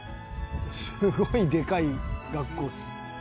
「すごいでかい学校ですね」